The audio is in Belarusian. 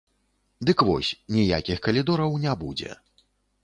Дык вось, ніякіх калідораў не будзе.